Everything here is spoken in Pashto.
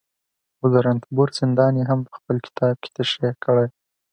او د رنتبور زندان يې هم په خپل کتابکې تشريح کړى دي